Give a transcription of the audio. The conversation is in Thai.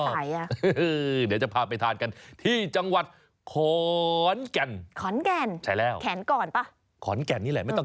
เดี๋ยวจะพาไปทานกันที่จังหวัดขนแก่น